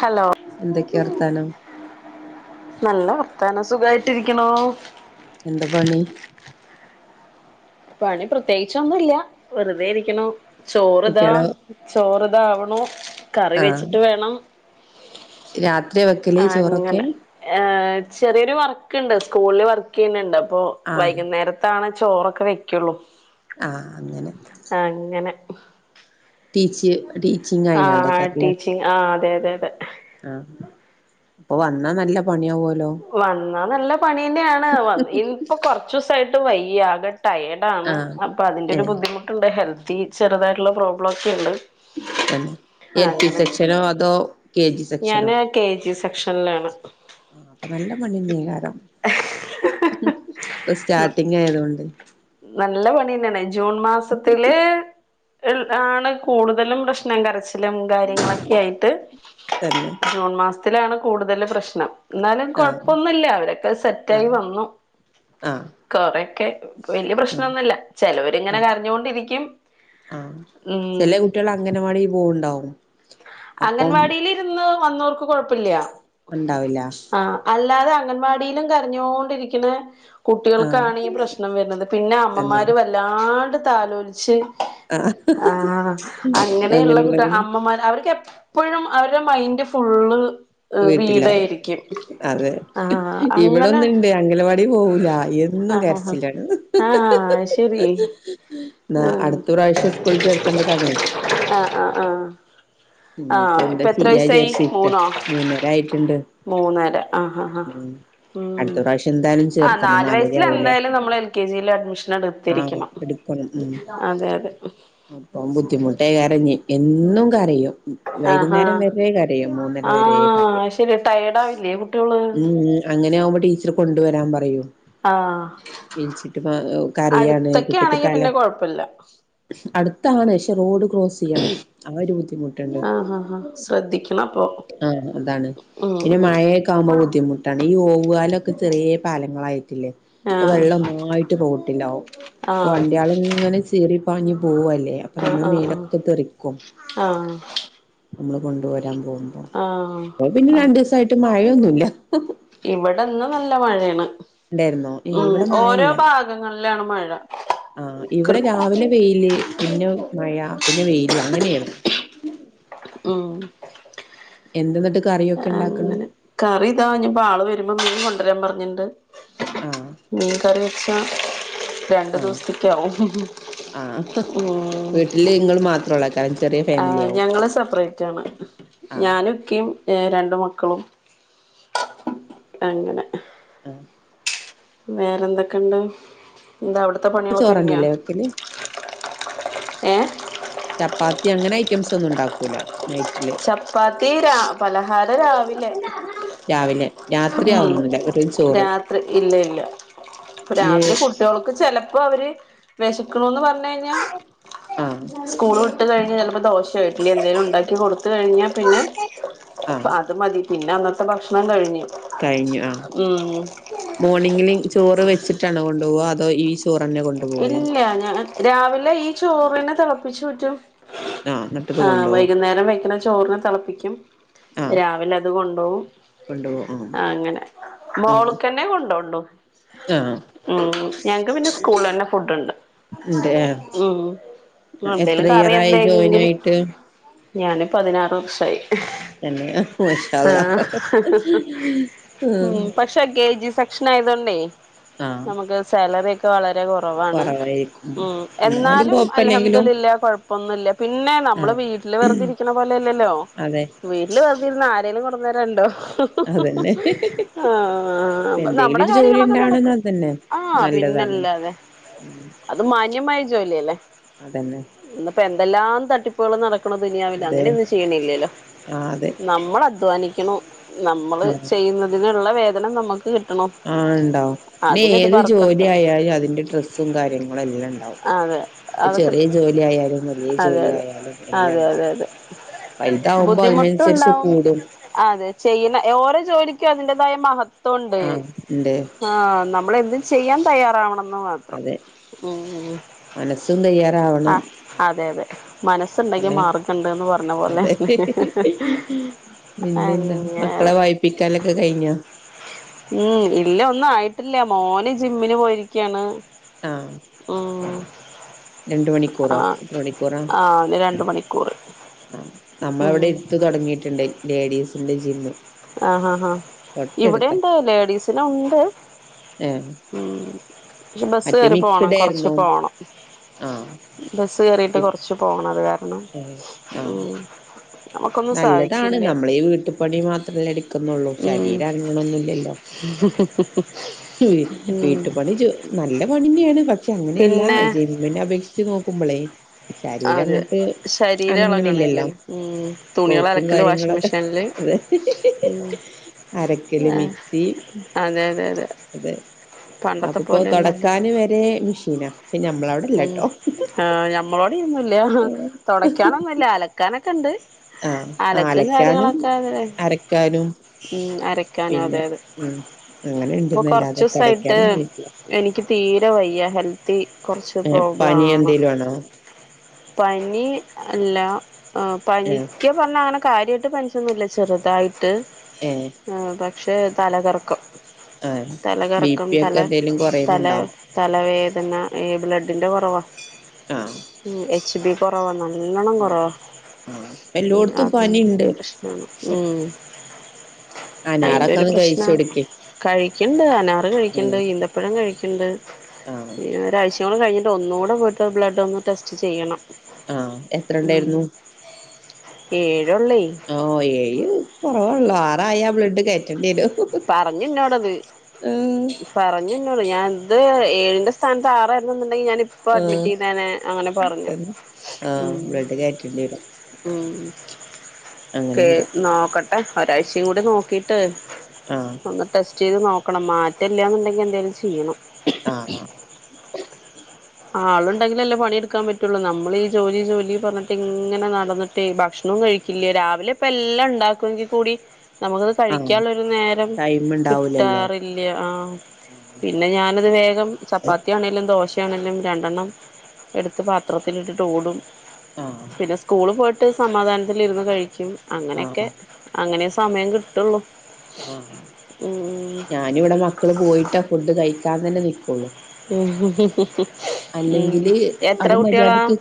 Hello എന്തൊക്കെയ വർത്താനം നല്ല വർത്താനം സുഖായിട്ടിരിക്കണൂ എന്താ പണി പണി പ്രത്യേകിച്ചൊന്നും ഇല്ല വെറുതെ ഇരിക്കണൂ ചോറ് ഇതാ കുട്ടികളെ ചോറ് താവണൂ കറി വെച്ചിട്ട് വേണം രാത് ത്രി വെക്കലു ചോറൊക്കെ അങ്ങനെ ഏഹ് ചെറിയൊരു വർക്കുണ്ട് സ്കൂളില് വർക്ക് ചെയ്യുന്നുണ്ട് അപ്പോ ആഹ് വൈകുന്നേരത്താണ് ചോറൊക്കെ വെക്കുള്ളൂ ആഹ് അങ്ങനെ [inaudible] ടീച് ആ ടീച്ചിങ് ആ അതെ അതെ അ [unintelligible] ആഹ അപ്പൊ വന്നാ നല്ല പണിയാ പോ വന്നാ നല്ല പണീന്റെ ആണ് വന്ന ഇനിപ്പോ കൊറച്ച് ദിവസട്ട് വയി ആക ടയേർഡ ആണ് ആഹ് അപ്പൾ അതിന്റെറെ ഒരു ഏഹ് ബുദ്ധിമുട്ടുണ്ട് ഹെൽത്ത് ചെറുതായിട്ടുള്ള പ്രോബ്ലംക്കെ ഉണ്ട് തന്നെ എൽ പി അങ്ങനെ സെക്ഷനോ അതോ കെ ജി ഞാന് കെ ജിസെ ഭക്ഷനിലാണ് ആ അപ്പൊ നല്ല മണിണ കാരം ഇപ്പൊ സ്റ്റാർട്ടിങ് ആയതുകൊണ്ട് നല്ല പണി നനെ ജൂൺ മാസത്തിലെ ആണ് കൂടുതലും പ്രശ്നം കരച്ച് കാര്യങ്ങളൊക്കെ ആയിട്ട് തന്നെ ജൂൺ മാസ ത്തിലാണ് കൂടുതൽ പ്രശ്നം എന്നാലും ആഹ് കൊഴപ്പൊന്നുമില്ല അവരൊക്കെ സെറ്റായി ആഹ് വന്നു ആഹ് കൊറക്കെ വല്യ ആഹ് പ്രശ്നംന്നുമല്ല ചെലവർ ഇങ്ങനെ ആഹ് കരഞ്ഞുകൊണ്ടിരിക്കും ആഹ് ഉ ചില കുട്ടികൾ അംഗനവാടി പോവുണ്ടാവും അപ്പം അംഗൻവാടിൽരുന്ന് വന്നോർക്ക് കുഴപ്പില്ല ഉണ്ടാവില്ല ആഹ അല്ലാതെ അംഗൻവാടിയിലും കരഞ്ഞോണ്ടിരിക്കുന്ന ആഹ് കുട്ടികൾക്കാണ് ഈ പ്രശ്നം വരുന്നത് പിന്നെ തന്നെ അമ്മമാര് വല്ലാട് ആലോചിച്ച് ആഹ് ആഹ അങ്ങനെയുള്ള കുട്ട അങ്ങനെയുള്ളതിന് അമ്മമാ എപ്പോഴും അവരുടെ മൈന്ഡ് ഫുള്ള് വീട്ടില്ലാരെ വീടായിരിക്കും അതെ ആഹ് അങ്ങനെ ഇവിടെൊന്നും ഇണ്ട് അംഗലവാടി പോവല എന്നും ആഹ് ആഹ് കരച്ചില്ലാണ് ആഹ് ആഹ് ശരി എന്ന ആഹ് അടുത്ത പ്രാവശ്യം സ്കൂള ചേർക്കണ്ടതാണേ ആഹ് ആഹ് ആഹ് ഇനിയിപ്പോ ആഹ് എന്താ ഇപ്പൊ എത്ര ചെയ്യാ വയസായി ചേർച്ചിക്ക മൂന്നോ മൂന്നര ആയിട്ടുണ്ട് മൂന്നര ആഹ് ആഹ് ആഹ് ഉം ഉം അടുത്ത പ്രാവശ്യം എന്തായാലും ആഹ് ചേർത്തണം നാല് നാലര വയസ്സിൽ ആവൂല എന്തായാലും നമ്മൾ എൽ കെ ജിയിൽ അഡ്മിഷൻ ആഹ എടുത്തിരിക്കണം എടുക്കണം ഉ അതെ അതെ അപ്പം ബുദ്ധിമുട്ടേ ഇറങ്ങി എന്നും കരോ ആഹ് വൈകുന്നേരം ആഹ് വര കരിയയും മൂന്നര വര കരും ആഹ് ശരി ടയേർഡ് ആവില്ലേ കുട്ടികള് ഉ അങ്ങനെ ആവുമ്പോ ഇത്തിരി കൊണ്ടുവരാൻ പറയൂ ആഹ് വിളിച്ചിട്ട് കറിയാണ് അടുത്തൊക്കെ കുട്ടിക്ക് ആണെങ്കി പിന്നെ തലം കൊഴപ്പില്ല അടുത്താണ് പക്ഷെ റോഡ് ക്രോസ് ചെയ്യണം ആ ഒരു ബുദ്ധിമുട്ട് ആഹ് ആഹ് ആഹ് ശ്രദ്ധി ആഹ എന്താണ് പിന്നെ ഉം മഴയൊക്കെ ആവുമ്പോ ബുദ്ധിമുട്ടാണ് ഈ ഓവുകാലൊക്കെ ചെറിയ പാലങ്ങളായി [inaudible] ഇപ്പൊ ആഹ് വെള്ളം നന്നായിട്ട് റോട്ടിലാവും ഇപ്പൊ ആഹ് വണ്ടിയള ഇങ്ങനെ ചീറി പഞ്ഞു പോവല്ലേ അപ്പൊ നമ്മള് ആഹ് ആഹ് മീനൊക്കെ തെറിക്കും ആഹ് നമ്മൾ കൊണ്ടുവരാൻ പോ ആഹ് പിന്നെ ആഹ് രണ്ടു ദിവസായിട്ട് മഴയൊന്നും ഇ ഇല്ല ഇവിടെന്ന് നല്ല മഴയാണ് ഉണ്ടായിരന്നോ ഏ ഉം ഇവിടെ ഓരോ മാഴയില്ല ഭാഗങ്ങളിലാണ് മഴ ആ കൃ ഇവിടെ രാവിലെ പെയില് പിന്നെ മഴ പിന്നെ വെയില അങ്ങനയാറന്നു ഉം എന്തെന്നിട്ട് അങ്ങനെ കറി ഇതാഞ്ഞപ്പോ ആള് വരുമ്പോ മീൻ കെ അത്രയം പറഞ്ഞിട്ടണ്ട് ആഹ് മീൻ കറി ശ രണ്ട ആഹ് ദിവസ്തേക്കാവും ആഹ് ഉം വീട്ടില് ഇങ്ങൾ മാത്രൊള്ളൂ കാരണം ചെറിയ ആ ഫാമിലി ആവും ഞങ്ങള് സെപ്പറേറ്റ് ആാണ് ആഹ് ഞാനും ഇക്കെയ എ രണ്ട മക്കളും അങ്ങനെ ആഹ് വേറെ എന്തൊക്കെയണ്ട് എന്താ അവിടുത്തെ പണികളൊക്കെ ഒരുങ്ങിയ ചോറന്നില്ലേ വെക്കല് ഏ ചപ്പാത്തി അങ്ങനെ ഐറ്റംസ് ഒന്നും ഉണ്ടാക്കൂല നൈറ്റില് ചപ്പാത്തി രാ പലഹാരം രാവിലെ രാവിലെ ഉം രാത്രിയാവുന്നില്ല വെറും ചോറ് രാത്രി ഇല്ല ഇല്ല ഇ രാത്രി കുട്ടികൾക്ക് ചിലപേ ഇപ്പോ അവര് വിശക്കണന്നും പറഞ്ഞ [inaudible] ആഹ് സ്കൂൾ വിട്ട് കഴിഞ്ഞ ചിലപ്പോ ദോശ ഇഡ്ഡലിയോ എന്തേലും ഉണ്ടാക്കി കൊടു അത് കഴിഞ്ഞാ പിന്നെ ആഹ് അത് മതി പിന്നെ അന്നത്തെ ഭക്ഷണം കഴിഞ്ഞ കഴിഞ്ഞു ആ മോണിങ്ങില് ചോറ് വെച്ച സിസ്റ്റാർ ആണേ കൊണ്ട പോകുക അതോ ഇ ഇല്ല ഞാൻ രാവിലെ ഈ ചോറിനെ തെളപ്പിച്ച് ഊറ്റും ആഹ് എന്നിട്ടത് ആ കൊണ്ടുപോകും വൈകുന്നേരം വെക്കണ ചോറിനെ തെളപ്പിക്കാ ഉം ആഹ് രാവിലെ അത് കൊണ് ഓ കൊണ്ടുപോകും ആഹ് അങ്ങനെ ആഹ് മോള്ക്കന്നെ കൊണ്ടോണ്ടു ആഹ് ഉം ഞങ്ങക്ക് പിന്നെ സ്കൂളന്നെ ഫുഡുണ്ട് ഉണ്ട് ഉം എത്ര എന്തേലും കറി ഇയറായി ജോയിൻ എന്തെയിങ്കിലും ആയിട്ട് ഞാനും പതിനാറ് വർ ആയി തന്നെ ഹഹ് അള്ളാ ആഹ് ഉഷ്ണായതോണ്ടേയ് ആഹ് നമുക്ക് സാലറി വളരെ കൊറ കൊറവാണ് കൊറവായിരിക്കും ഉം എന്നാലും അൽഹംദുലില്ലാ കൊഴപ്പൊന്നുല്ല പിന്നെ നമ്മള് ആഹ് വീട്ടിൽ വെറുതെ ഇരിക്കണ പോലെല്ലല്ലോ അതെ വീട്ടിൽ വെറുതെ ഇരുന്ന് ആരേലും കൊണ് ഒന്നേ രണ്ടോ അതന്നെ ഇപ്പ ആഹ് എന്തെങ്കിലും നമ്മടെ ഒരു ജോലി കാര്യങ്ങളൊക്കെ ഉണ്ടാവണന്ന് നടക്കും അതന്നെ ആ നല്ലതാണ് പിന്നല്ലാതെ ഉം അത് മാന്യമായ ജോലിയല്ലേ അതന്നെ ഇന്നിപ്പ എ എന്തെല്ലാം തട്ടിപ്പുകൾ നട ക്കണ് ദുനിയാവില് അതെ അങ്ങനെയൊന്നും ചെയ്യണില്ലല്ലോ ആഹ് അതെ നമ്മള് അധ്വാനിക്കണം നമ്മള് ചെയ്യുന്നതിന് ള്ള വേതനം നമ്മക്ക് കിട്ട ആ ഇണ്ടാവും പിന്നെ ഏത് ജോലി ബർക്കത്തും ആയാലും അതിന്റെ ഡ്രസ്സും കാര്യങ്ങളും എല്ലാം ഇണ്ടാവും അതെ ഇപ്പൊ അതൊക്കെ ചെറിയ ജോലി ആയാലും വലിയ അതെ ജോലി അതെ ആയാലും എല്ലാം അതെ അതെ ഇണ്ടാവും അതെ വലുതാവുമ്പോ അതിനനുസരിച്ച് ബുദ്ധിമുട്ടുണ്ടാവും കൂടും ക്ക് അതിന്റേതായ മാഹാത് ത്തോണ്ട് ആഹ് ഉണ്ട് ആ നമ്മളെന്തും ചെയ്യാൻ തയ്യാറാവണംന്നോ ഉം അതെ ഉം മനസ്സും ആ തയ്യാറാവണം അതെ അതെ മനസ്സുണ്ടെങ്കിൽ അല്ലെ മാർഗ്ഗം ഉണ്ട്ന്ന് പറഞ്ഞ പോലെ അതെ പിന്നെന്താ അങ്ങനെ മക്കളെ വായിപ്പിക്കാലൊക്കെ കഴിഞ്ഞോ ഉം ഇല്ല ഒന്നും ആയിട് ഇല്ല മോന് ജിമ്മിന് പോയിരിക്കയാണ് ആഹ് ഉം രണ്ട് മണിക്കൂറോ ആഹ് എത്ര മണിക്കൂറാ ആഹ് അവന് രണ്ട് മണിക്കൂറ് ആ നമ്മളവിടെ ഉം എടുത്തു തൊടങ്ങീട്ടുണ്ട് ലേഡീസ് എൻ്റെ ജിമ്മ് ആ ഹാഹാ ഇവിടെ തൊട്ടടുത്താ എന്താ ലേഡീസി ഉ ണ്ട് ഏഹ് ഉം [unintelligible] ബസ് കേറി പോണം കൊറച്ച് പോണം ആ ബസ് കേറിട്ട് കൊറച്ച് പോണ അത് കാര അണ്ണോ ഏഹ് ആഹ് മ്മ് നല്ലതാണ് നമ്മളീ വീട്ടു പണി മാത്രല്ല എട ക്കുന്നുള്ളൂ ഉം ശരീരനങ്ങണൊന്നുല്ലല്ലോ ഉം വീട്ടു പണി ജോ നല്ല പണിന്നെയ [unintelligible] പക്ഷെ അങ്ങനെയല്ല പിന്നെ [unintelligible] അപേക്ഷിച്ച് നോ കുമ്പളെ അതെ ശരീരം എളകണില്ലേ അനങ്ങണില്ലല്ലോ മ്മ്. കോപ്പും കാര്യങ്ങളൊക്കെ ഉം [unintelligible] അരക്കല് ഏഹ് മിക്സി അതെ അതെ അതെ. പണ്ടത്തെ അപ്പപ്പോ തൊടക്കാന് വരെ മിഷീനാ മ്മ് ആ ഞമ്മളോട് ല്ല തൊടക്കാനൊന്നുല്ല അലക്കാനക്കെ ഇണ്ട്. ആഹ് അലക്കും അലക്കാനും കാര്യങ്ങളൊക്കെ അരക്കാനും മ്മ് അരക്കാന പിന്നെ അതെതെ ഉം അങ്ങനെ ഇപ്പോ ഇണ്ട്ന്നല്ലാതെ കൊറച്ചുസായിട്ട് തൊടക്കാനും ഉപയോഗിക്കില്ല എനിക്ക് തീരെ വയ്യ ഹെൽത്തി കൊറച്ച് ഏഹ് പനി പ്രോബ്ലാണ് എന്തേലും ആണോ? പനി അല്ല ആഹ് ഏഹ് പനിക്ക് പറഞ്ഞ അങ്ങനെ കാര്യായിട്ട് പനിച്ചൊന്നില്ല ചെറുതായി ട്ട് ഏഹ് ആ ബ പക്ഷേ തലകറക്കം ആഹ് തല ബി കറക്കം പി തല ഒക്കെ എന്തേലും തല കൊറയുന്നുണ്ടാവും തലവേദന ബ്ലഡ് അതിന്റെ കൊറവാ ആഹ് മ്മ് എച്ച് ബി കൊറവാ നല്ലോണ്ണം ആഹ് കൊറവാ ആഹ് ഇപ്പെല്ലോട്ത്തും അതിന്റെ പനിണ്ട് പ്രശ്നാണ് മ്മ് അയിന്റെ അനാറൊക്കെ ഒരു ഒന്ന് പ്രശ്നം കഴിച്ചൊടുക്ക് കഴിക്കണ്ട് അനാറ് കഴിക്കണ്ട് ഉം ഈന്തപ്പഴം കഴിക്കണ്ട് ആഹ് പിന്നെ - [unintelligible] കഴിഞ്ഞിട്ട് ഒന്നൂടെ പോയിട്ട് ബ്ലഡോന്ന് ടെസ്റ്റ് ചെയ്യണം ആ എത്ര ഉണ്ടായിരുന്നു പേ [unintelligible] ഓ ഏയി കൊറവാ ള്ളറായ ബ്ലഡ് കേറ്റെണ്ടിവരും പറഞ്ഞ് എന്നോടത് പറഞ്ഞുന്നോട് ഞാൻ ന്ത് ഏഴിന്റെ സ്ഥാനത്ത് ആറാരുന്നുന്ന് ഞാനിപ്പോ ആഹ് അഡ്മിറ്റ് ചെയ്തേനെ അങ്ങനെ പറഞ്ഞു തന്നെ ആഹ് മ് ബ്ലഡ് കയറ്റേണ്ടി വരും മ് ക്കെ അങ്ങനെണ്ട് നോക്ക ആഹ് ഒരാഴ്ചയും കൂടി നോക്കീട്ട് ആഹ് ഒന്ന് ടെസ്റ്റ് ചെയ്ത് നോ ക്കണം മാറ്റെല്ലന്നുണ്ടെങ്കിൽ എന്തെലും ചെയ്യണം ആ ഹ് ആഹ് ആളുണ്ടെങ്കിൽ അല്ലേ പണിയെടുക്കാൻ പറ്റുള്ളു നമ്മളി ജോലി ജോലി പറഞ്ഞിട്ട് ഇങ്ങനെ നടന്നിട്ടെ ഭക്ഷണോം കഴിക്കില്ല രാവിലെ ഇപ്പ എല്ലാം ഇണ്ടാക്കെങ്കിൽ കൂടി- നമുക്കത് ആഹ് കഴിക്കാള്ളൊരു നേരം ടൈം ഇണ്ടാവൂലല്ലോ കിട്ടാറില്ല ആ ആഹ് പിന്നെ ഞാനത് വേഗം ചപ്പാത്തിയാണേലും ദോശ [unintelligible] രണ്ടെണ്ണം എടുത്ത് പാത്രത്തിലിട്ടിട്ട് ഓടും- ആഹ് പിന്നെ സ്കൂള് പോയ ട്ട് സമാധാനത്തിലിരുന്ന് കഴിക്കും അങ്ങനെയൊക്കെ ആഹ് അങ്ങനെ സമയം കിട്ടുള്ളൂ ആഹ് ഉം ഞാനിവിടെ മക്കള് പോയിട്ടാ ഫുഡ് കഴി ക്കാൻ തന്നെ നിക്കൊള്ളൂ ഉം അല്ലെങ്കില് എത്ര അത് കുട്ടികളാ മര്യാദക്ക്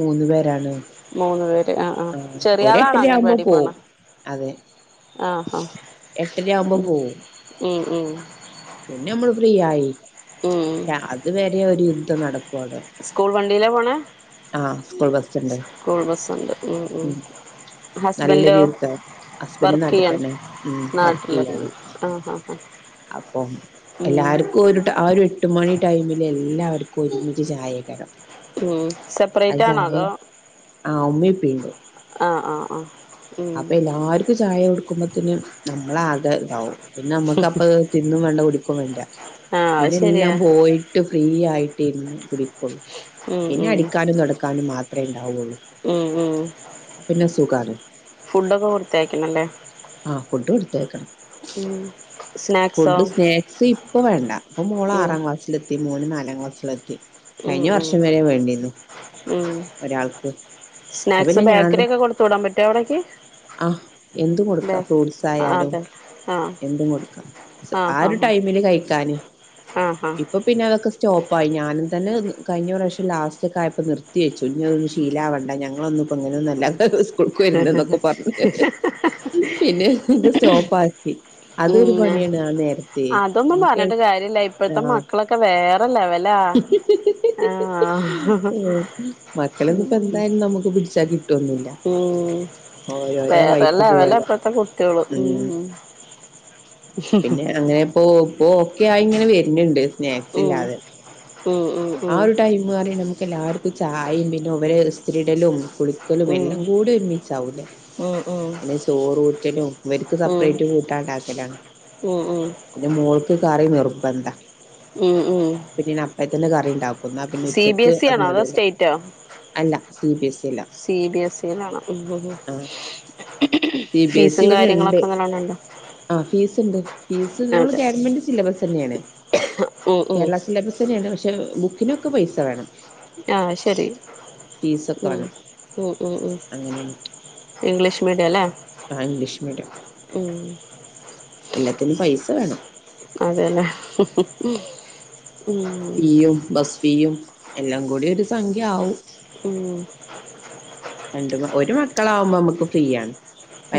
മൂന്ന് പേരാണ് മൂന്ന് പേര് ആഹ് ആഹ് ആ ചെറിയ ആളാണോ ഒരെട്ടരയാവുമ്പോ അംഗൻവാടി പോവും പോണെ അതെ ആഹ് ആഹ് എട്ടരയാവുമ്പോ പോവും മ് പിന്നെ മ്മള് ഫ്രീ ആയി ഷ അത് വരെ ഒരു ന്റെ നടക്കു [unintelligible] ണ്ടിലാ പോണേ ആഹ് സ്കൂൾ ബസ്സ്ണ്ട് ബസ്സുണ്ട് ഉം ഉം മ്മ് ഹസ്ബൻഡോ നല്ലൊരു [unintelligible] ഹസ്ബൻഡ് വർക്ക് നാട്ടി ചെയ്യാണ് തന്നെ മ്മ് വർക്ക് ചെയ്യാണ് നാട്ടിലെന്നെയാണ് ഉം ആഹ് ആഹ് ആഹ് അപ്പം ഉം എല്ലാരുക്കും ഒരു ആ ഒരു എട്ട് മണി ടൈമില് എല്ലാവരു ക്കൊരുമിച്ച് ചായെകരം ഉം സെപ്പറേറ്റ് ആണോ അതോ ആ ആഹ് ആഹ് ആഹ് ഉം അപ്പോ എല്ലാർക്കും ചായ കൊടുക്കുമ്പത്തേന് നമ്മളാകെ ഇതാവും പിന്നെ നമ്മക്ക് അപ്പ തിന്നും വേണ്ട കുടിക്കും വേണ്ട ആഹ് അത് പിന്നെ ശരിയാ എല്ലാം പോയിട്ട് ഫ്രീ ആയി കുട്ടി നിന്ന് കുൂടിക്കൊള്ളും ഉം [unintelligible] പിന്നെ ഉം അടിക്കാനും തുക്കാനും മാത്രം ഉം ഉം സ്ുകെ [unintelligible] ഫുഡൊക്കെ വൃത്തിയാക്കണല്ലേ ത്തേക്കണം [unintelligible] ഉം [unintelligible] ഫുഡ് സ്നാക്സ് ഇപ്പ വേണ്ട അപ്പ മോള ഉം ആറാം ക്ലാസില എത്തി മൂന് നാ എല്ല ക്ലസ്സിലാക്കത്തി ഉം കഴിഞ്ഞ ഉം വർഷം വരെ വേണ്ടിന്നു ഉം ഒരാൾക്ക് അപ്പ സ്നാക്സ് പിന്നെ ഞാൻ ബേക്കറി ഒക്കെ കൊടുത്തു വിടാൻ പറ്റോ അവിടേക്ക് ആഹ എന്തും അതെ കൊടുക്കാം ഫ്രൂട്ട്സ് ആയാലും അതെ ആഹ് എന്തും കൊടുക്കാം ആ ആഹ് ഒരു ആഹ് ടൈമില് കഴിക്കാന് ആഹ് ആഹ് ഇപ്പൊ പിന്നെ അതൊക്കെ സ്റ്റോപ്പ ആയി ഞാനും തന്നെ കഴിഞ്ഞ പ്രശ്യം ലാസ്റ്റ് ഒക്കായപ്പോ നിർത്തി വെച്ചു ഇനി അതൊും ശീല വണ്ട ഞങ്ങൾ ങ്ങളൊന്ന ഇപ്പോ അങ്ങനെന്ന നല്ല കൊ വരുന്ന എന്നൊക്കെ പറഞ്ഞ പിന്നെ സ്റ്റോപ്പ ആാക്കി അതൊരു പിന്നെ പണിയാണ് ആ അതൊന്നും നേരത്തെക്ക് പറഞ്ഞിട്ട് കാര്യല്ല ഇപ്പോഴത്തെ ആഹ മക്കളൊക്കെ വേറെ ലെവലാ ആഹ് മക്കളപ്പോ എന്തായും നമുക്ക് പിടിച്ചാ കിട്ട് ട്ടുവൊന്നുവില്ല ഉം ഓരോരോ വേറെ വഴിക്ക് ലെവലാ പോവല്ലോ ഇപ്പഴത്തെ കുട്ടികള് ഉം പിന്നെ അങ്ങനെ പോ പോക്കെ ആ [unintelligible] വര്ണ് ണ്ട് സ്നേക്സ് ഉം ഇല്ലാതെ ഉം ആഹ് ഉം ഒരു ടൈം പറി നമുക്ക് എല്ലാർക്കും ചായെം പിന്നെ ഇവര് ത്തിരിടലും കുളിക്കലും ഉം എല്ല കൂടി ഒരു മിച്ചാ വൂലേ ഉം ഉം ഉം പിന്നെ ചോറൂറ്റലും ഇവർക്ക് ഉം സപ്പ്റേറ്റ് കൂട്ടാണ്ടാക്കലാണ് ഉം ഉം പിന്ന മോൾക്ക് കറി നിർബന്ധ ഉം ഉം പിന്നെ അപ്പ പിന്നെ ഇണ്ടാവും പിന്നെ സി ബി ഉച്ചക്ക് എസ് ഇ അത് ആണോ അതോ മതിയുടെ സ്റ്റേറ്റോ അല്ല സി ബി എസ് ഇല്ല സി ബി എസ് ഇയിലാണോ ഉം ഉം ആഹ് സി ബി സി ഫീസും ഇവടെ ഇണ്ട് കാര്യങ്ങളൊക്കെ നല്ലോണം ഉണ്ടോ അഹ് ഫീസ്ണ്ട് ഫീസ് [unintelligible] അതെ നവമെന്റ് സിലബെസെന്നേണ് ഉം ഉം കേരള സിലബെസ്സെന്നേണ് പക്ഷ ബുക്കിനൊക്കെ പൈസ വേണം ആഹ് ശെരി ഫീസൊക്കെ വേണം ഉംഉം ഉം ഉം അങ്ങനെയാണ് ഇംഗ്ലീഷ് മീഡിയം ല്ലേ ആ പ് ഇംഗ്ലീഷ് മീഡ്യം ഉം എല്ലാത്തിനും പൈസ വേണം അതേല്ലേ ഫീയും ബസ്ഫീയും എല്ലാം കൂടി ഒരു സംഖ്യ ആവും ഉം [inaudible] [unintelligible] രണ്ട് ഒരു മക്കള ആവുമ്പോ നമുക്ക് ഫ്രീ ആണ്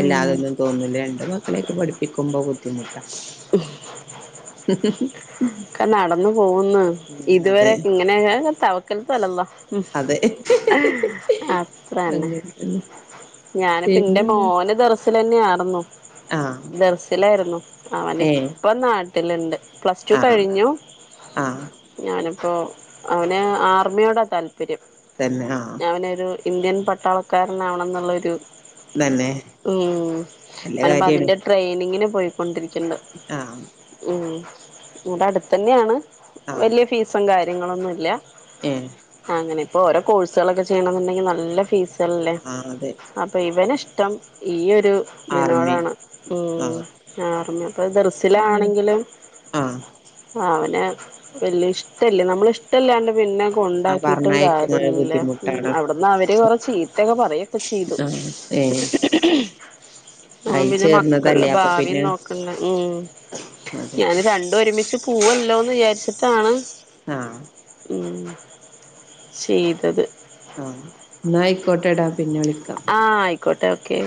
ഉം തോന്നൂല്ല രണ്ടു മക്കളെയൊക്കെ പഠിപ്പിക്കുമ്പോ ബുദ്ധിമുട്ടാണ് ഒക്കെ നടന്നു പോകുന്നു ഉം ഇതുവരെെ അതെ ഇങ്ങനെയക്ക തവക്കൽത്തു അലല്ലാഹ് അതെ അത്ര തന്നെ അങ്ങനെതന്നെ ഞാൻ പിന്റെ പിന്നെന്താ മോന് ദറസില തന്നെയ വന്നോ ആഹ് ദർസിലായ്രുന്നു അവന് ഏഹ് അവൻ ന്നട വിട്ടില്ണ്ട് പ്ലസ് ടു ആഹ് കഴിഞ്ഞു ആഹ് ഞാനും അപ്പോ അവന് ആർമിയോടാ താല്പര്യം താൽപര്യം തന്നെ ആഹ് ഞാൻ അവനൊരു ഇന്ത്യൻ പട്ടാളക്കാരനാവണെന്നുള്ളൊരു തന്നെ ഉം നല്ല അവൻ കാര്യാണ് അതിന്റെ ട്രെയിനിങ്ങിന് പോ പോയിക്കൊണ്ടിരി ഇണ്ട് ആഹ് ഉം ഇവിടെ അടുത്ത് തന്നെയാണ് ആഹ് വലിയ ഫീസും കാര്യ നിങ്ങളൊന്നുല്ല ഏ ആഹ അങ്ങനെ ഇപ്പൊ ഓരോ കോഴ്സുകളൊക്കെ ചെയ്യണെന്നുണ്ടെങ്കി നല്ല ഫീസ് തന്നെ ആ അതെ അപ്പൊ ഇവനിഷ് ഇഷ്റ്റം ഈ ഒരു രു ആർമി ദിനോടാണ് ആ ഉം ആ ഞിപ്പോ പിന്നങ്ങനെ ദർസിലാണെങ്കിലും ആഹ് ആ അവൻ പിന്നെ വല്ല്യഷ്ടല്ല നമ്മളിഷ്ടല്ലാണ്ട് പിന്നെ ആ കൊണ്ടാക്കീട്ടും പറഞ്ഞയക്കുമ്പഴ കാര്യല്ല ബുദ്ധിമുട്ടാണ് അവിടന്നവര് കൊറേ ചീത്തൊക്കെ പറയൊക്കെ ചെയ്തു ആ ഏ അയി പിന്നെ മക്കളെ ചേർന്നതല്ലേ അപ്പൊ ഭാവിം പിന്നെ നോക്ക ഉം അതെ ഞാന് രണ്ടൊരുമിച്ച് പൂവല്ലോന്ന് വിചാരിച്ചിട്ടാണ് ആഹ് ഉം ചെയ്തത് ആ ന്നായിക്കോട്ടെടാ ആ അയ്ക്കോട്ടെ ഓക്കെ